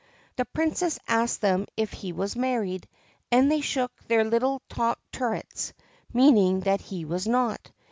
The Princess asked them if he was married, and they shook their little top turrets, meaning that he was not.